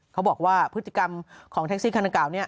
เขาบอกว่าพฤติกรรมของแท็กซี่คันดังกล่านี้